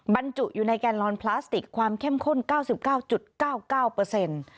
บรรจุอยู่ในแกนลอนพลาสติกความเข้มข้นเก้าสิบเก้าจุดเก้าเก้าเปอร์เซ็นต์